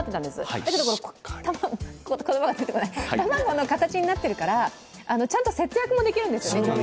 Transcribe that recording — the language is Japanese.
だけど、卵の形になってるからちゃんと調味料の節約もできるんですね。